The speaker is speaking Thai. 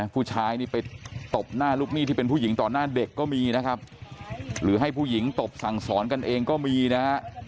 ผู้ชายนี่ไปตบหน้าลูกหนี้ที่เป็นผู้หญิงต่อหน้าเด็กก็มีนะครับหรือให้ผู้หญิงตบสั่งสอนกันเองก็มีนะฮะ